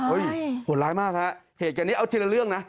โหดร้ายมากฮะเหตุการณ์นี้เอาทีละเรื่องนะ